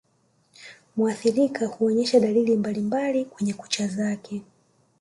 Muathirika huonesha dalili mbalimbali kwenye kucha zake